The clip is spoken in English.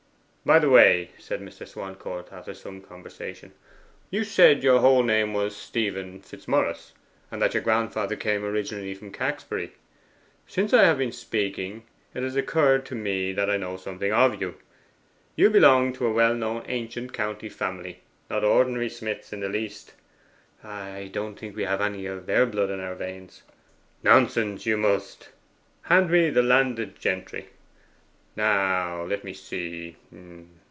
'By the way,' said Mr. Swancourt, after some conversation, 'you said your whole name was Stephen Fitzmaurice, and that your grandfather came originally from Caxbury. Since I have been speaking, it has occurred to me that I know something of you. You belong to a well known ancient county family not ordinary Smiths in the least.' 'I don't think we have any of their blood in our veins.' 'Nonsense! you must. Hand me the "Landed Gentry." Now, let me see.